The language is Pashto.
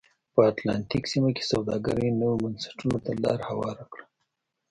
په اتلانتیک سیمه کې سوداګرۍ نویو بنسټونو ته لار هواره کړه.